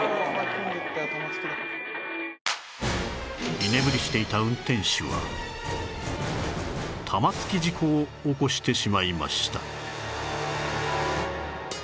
居眠りしていた運転手は玉突き事故を起こしてしまいました